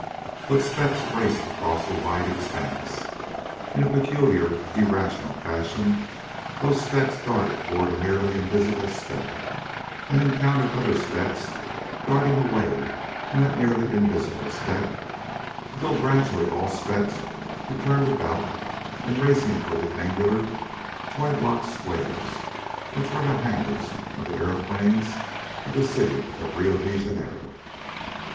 But specks raced across the wide expanse. In a peculiar, irrational fashion those specks darted toward a nearly invisible speck, and encountered other specks darting away from that nearly invisible speck, and gradually all the specks were turned about and racing for the angular, toy block squares which were the hangars of the aeroplanes of the city of Rio de Janeiro.